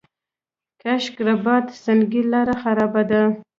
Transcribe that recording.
کشک رباط سنګي لاره خرابه ده؟